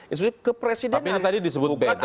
institusi kepresidenan tapi tadi disebut beda